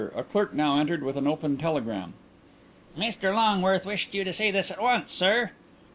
A clerk now entered with an open telegram. "Mr Longworth wished you to see this at once, sir."